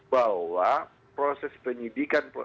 bahwa proses penyidikan